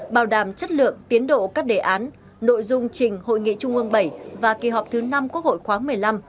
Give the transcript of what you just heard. bảo đảm chất lượng tiến độ các đề án nội dung trình hội nghị trung ương bảy và kỳ họp thứ năm quốc hội khoáng một mươi năm